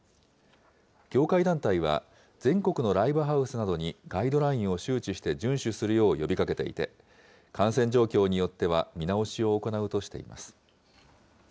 業界団体は、全国のライブハウスなどにガイドラインを周知して順守するよう呼びかけていて、感染状況によっては、見直しを行うとしています。